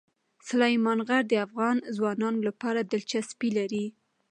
سلیمان غر د افغان ځوانانو لپاره دلچسپي لري.